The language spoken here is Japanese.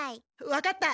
わかった。